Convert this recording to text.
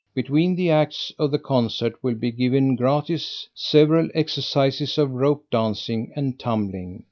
Between the acts of the concert will be given, gratis, several exercises of rope dancing and tumbling.